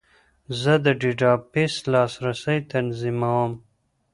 زه د ډیټابیس لاسرسی تنظیموم.